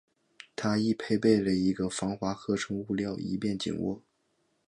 它亦配备了一个防滑合成物料以便紧握。